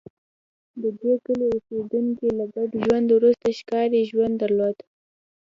د دې کلي اوسېدونکي له ګډ ژوند وروسته ښکاري ژوند درلود